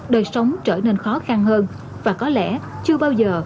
đời sống trở nên khó khăn hơn và có lẽ chưa bao giờ